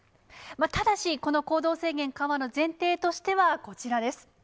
ただし、この行動制限緩和の前提としては、こちらです。